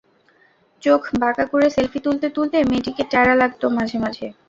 চোখ বাঁকা করে সেলফি তুলতে তুলতে মেয়েিটকে ট্যারা লাগত মাঝে মাঝে।